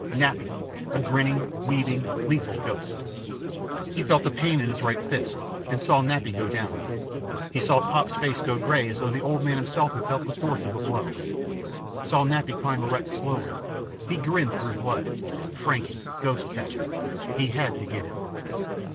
Nappy. A grinning, weaving, lethal ghost. He felt a pain in his right fist and saw Nappy go down. He saw Pop's face go gray as though the old man himself had felt the force of the blow. Saw Nappy climb erect slowly. He grinned through blood. Frankie ghost catcher. He had to get him.